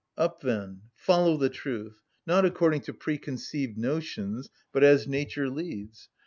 Up, then, follow the truth, not according to preconceived notions, but as nature leads!